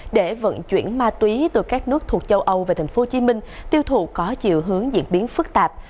để vận chuyển ma túy từ các nước thuộc châu âu về tp hcm tiêu thụ có chiều hướng diễn biến phức tạp